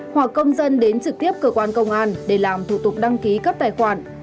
hoặc công dân đến trực tiếp cơ quan công an để làm thủ tục đăng ký cấp tài khoản